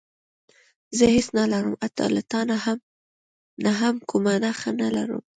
زه هېڅ نه لرم حتی له تا نه هم کومه نښه نه لرم.